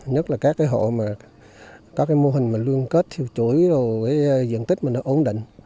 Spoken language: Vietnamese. nhất là các cái hộ mà có cái mô hình mà luôn kết thiêu chuối rồi cái diện tích mà nó ổn định